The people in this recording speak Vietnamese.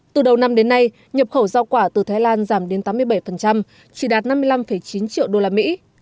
từ đầu năm đến nay nhập khẩu giao quả từ thái lan giảm đến tám mươi bảy chỉ đạt năm mươi năm chín triệu đô la mỹ